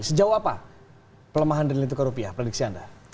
sejauh apa pelemahan nilai tukar rupiah prediksi anda